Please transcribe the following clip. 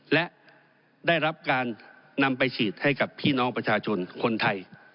และได้รับการนำไปฉีดให้กับพี่น้องประชาชนคนไทย